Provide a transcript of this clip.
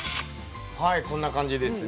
はいこんな感じですね。